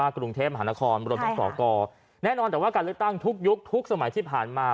กรุงเทพมหานครรวมทั้งสกแน่นอนแต่ว่าการเลือกตั้งทุกยุคทุกสมัยที่ผ่านมา